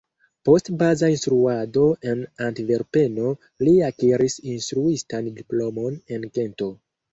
Post baza instruado en Antverpeno li akiris instruistan diplomon en Gento.